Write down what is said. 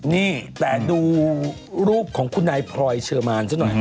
นี่แต่ดูรูปของคุณนายพลอยเชอร์มานซะหน่อย